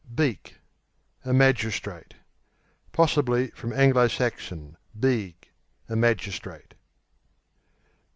Beak A magistrate. (Possibly from Anglo Saxon, Beag a magistrate.)